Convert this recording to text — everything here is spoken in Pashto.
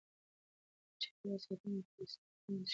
د چاپیریال ساتنه د توریستي سیمو د ښکلا د ساتلو یوازینۍ لاره ده.